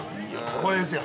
これですよ。